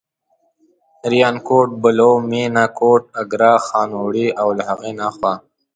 ریانکوټ، بلو، مېنه، کوټ، اګره، خانوړی او له هغې نه اخوا.